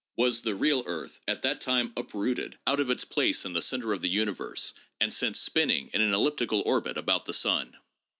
Was the real earth at that time uprooted out of its place in the center of the universe and sent spinning in an elliptical orbit about the sun